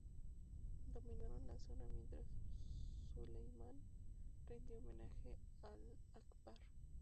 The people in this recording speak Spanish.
Dominaron la zona mientras Sulaiman rindió homenaje al Akbar.